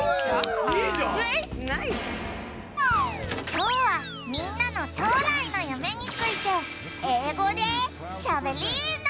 きょうはみんなの将来の夢について英語でしゃべりーな！